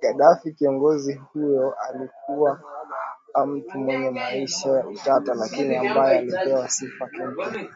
Ghaddafi Kiongozi huyo alikuwa mtu mwenye maisha ya utata lakini ambaye alipewa sifa kemkem